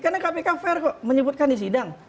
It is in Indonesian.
karena kpk fair kok menyebutkan di sidang